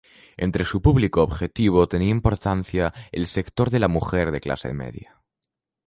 Entre su público objetivo tenía importancia el sector de la mujer de clase media.